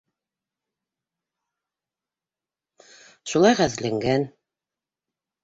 Шулай ғәҙәтләнгән.